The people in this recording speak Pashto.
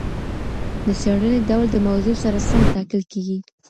د څېړنې ډول د موضوع سره سم ټاکل کېږي.